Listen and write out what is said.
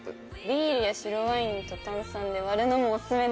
ビールや白ワインと炭酸で割るのもお薦めです。